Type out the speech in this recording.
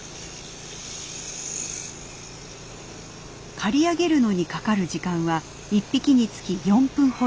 刈り上げるのにかかる時間は１匹につき４分ほど。